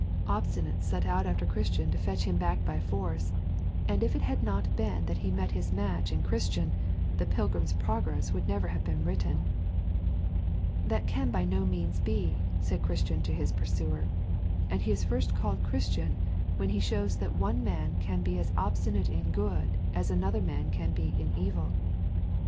Obstinate set out after Christian to fetch him back by force, and if it had not been that he met his match in Christian, The Pilgrim's Progress would never have been written. 'That can by no means be,' said Christian to his pursuer, and he is first called Christian when he shows that one man can be as obstinate in good as another man can be in evil.